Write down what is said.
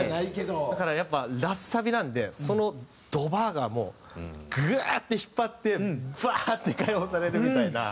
だからやっぱラスサビなんでそのドバーッがもうグーッて引っ張ってバーッて開放されるみたいな。